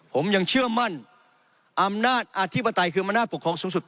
ผมยังเชื่อมั่นอำนาจอธิปไตยคืออำนาจปกครองสูงสุด